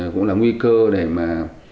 cũng là nguy cơ để mà